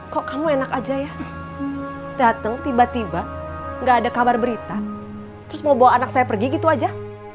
kok kamu enak aja ya datang tiba tiba gak ada kabar berita terus mau bawa anak saya pergi gitu aja